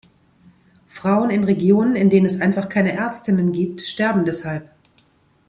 Frauen in Regionen, in denen es einfach keine Ärztinnen gibt, sterben deshalb.